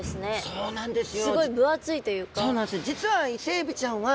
そうなんですよ